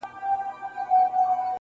د پيل ورځ بيا د پرېکړې شېبه راځي ورو,